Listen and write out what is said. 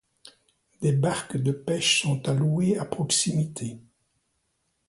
Des barques de pêche sont à louer à proximité.